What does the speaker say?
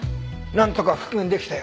なんとか復元できたよ。